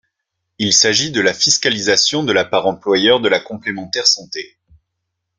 Il s’agit de la fiscalisation de la part employeur de la complémentaire santé.